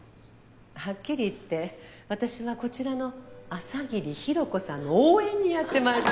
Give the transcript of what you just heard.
はっきり言って私はこちらの朝桐ひろ子さんの応援にやってまいり。